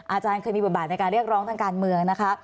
อาจารย์เคยมีบทบาทในการเรียกร้องทางการเมืองนะคะ